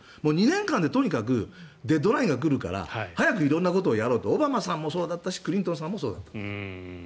２年間でとにかくデッドラインが来るから早く色んなことをやろうとオバマさんもそうだったしクリントンさんもそうだった。